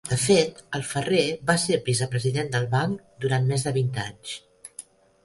De fet, el ferrer va ser vicepresident del banc durant més de vint anys.